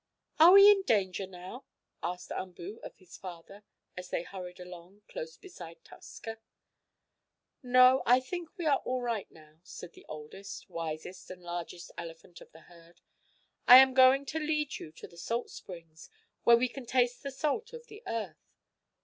"Are we in danger now?" asked Umboo of his father as they hurried along, close beside Tusker. "No, I think we are all right now," said the oldest, wisest and largest elephant of the herd. "I am going to lead you to the salt springs, where we can taste the salt of the earth.